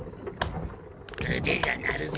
うでが鳴るぜ。